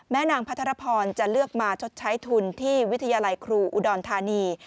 นางพัทรพรจะเลือกมาชดใช้ทุนที่วิทยาลัยครูอุดรธานี